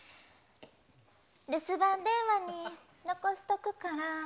留守番電話に残しとくから。